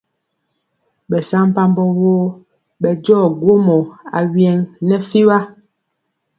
Ɓɛsampabɔ woo ɓɛ jɔ gwomɔ awyɛŋ nɛ fiɓa.